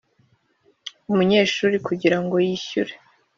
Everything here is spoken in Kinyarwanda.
Umunyeshuri kugira ngo yishyure